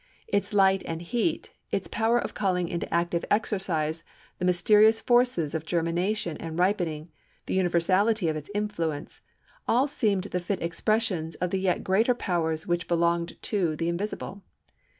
Its light and heat, its power of calling into active exercise the mysterious forces of germination and ripening, the universality of its influence, all seemed the fit expressions of the yet greater powers which belonged to the Invisible.